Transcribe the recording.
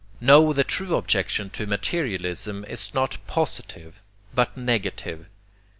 No the true objection to materialism is not positive but negative.